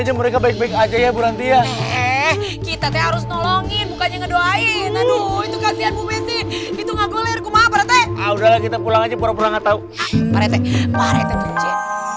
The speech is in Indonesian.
sampai jumpa di video selanjutnya